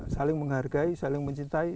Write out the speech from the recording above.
saling menghargai saling mencintai